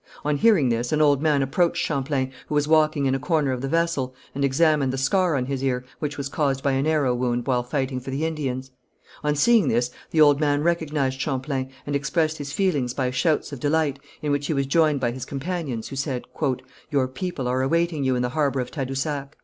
On hearing this, an old man approached Champlain, who was walking in a corner of the vessel, and examined the scar on his ear, which was caused by an arrow wound while fighting for the Indians. On seeing this, the old man recognized Champlain, and expressed his feelings by shouts of delight, in which he was joined by his companions, who said, "Your people are awaiting you in the harbour of Tadousac."